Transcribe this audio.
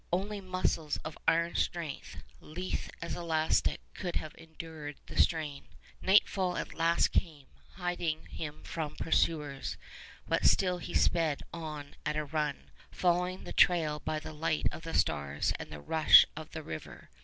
Only muscles of iron strength, lithe as elastic, could have endured the strain. Nightfall at last came, hiding him from pursuers; but still he sped on at a run, following the trail by the light of the stars and the rush of the river.